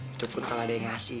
itu pun kalau ada yang ngasih